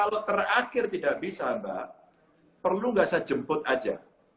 kalau terakhir tidak bisa mbak perlu nggak saya jemput aja